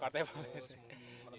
partai politik mana